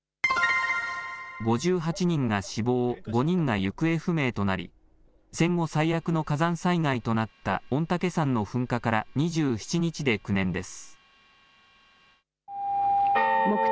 ５８人が死亡、５人が行方不明となり戦後最悪の火山災害となった御嶽山の噴火から２７日で９年です。